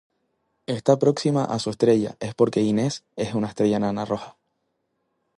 Esta proximidad a su estrella es porque Innes es una estrella enana roja.